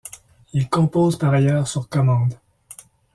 Il compose par ailleurs sur commande.